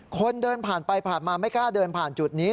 คนเดินผ่านไปผ่านมาไม่กล้าเดินผ่านจุดนี้